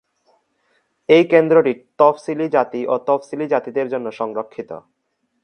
এই কেন্দ্রটি তফসিলি জাতি ও তফসিলী জাতিদের জন্য সংরক্ষিত।